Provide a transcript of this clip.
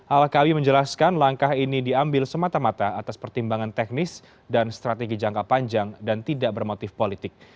al kabi menjelaskan langkah ini diambil semata mata atas pertimbangan teknis dan strategi jangka panjang dan tidak bermotif politik